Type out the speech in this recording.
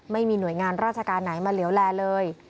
ไม่มีหน่วยงานราชการไหนมาเหลวแลเลย